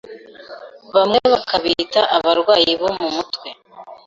bamwe bakabita abarwayi bo mu mutwe,